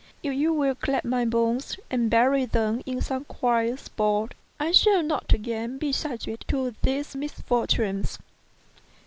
If you will collect my bones and bury them in some quiet spot, I shall not again be subject to these misfortunes."